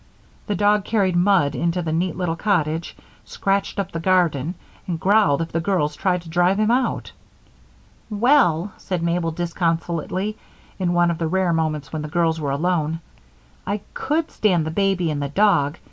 The dog carried mud into the neat little cottage, scratched up the garden, and growled if the girls tried to drive him out. "Well," said Mabel, disconsolately, in one of the rare moments when the girls were alone, "I could stand the baby and the dog.